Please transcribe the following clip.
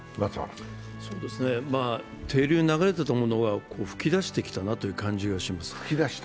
底流に流れていたものが噴き出してきたなと思います。